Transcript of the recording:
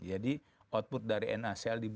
jadi output dari nacl